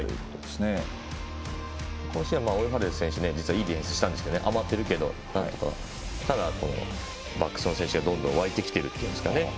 オーウェン・ファレル選手実は、いいディフェンスしたんですが余っているけどなんとかただ、バックスの選手がどんどんわいてきてるといいますか。